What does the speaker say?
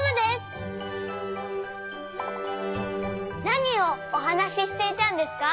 なにをおはなししていたんですか？